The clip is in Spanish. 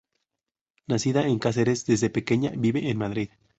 Nacida en Cáceres, desde pequeña vive en Madrid.